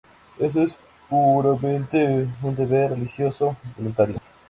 Esto es puramente un deber religioso; es voluntario.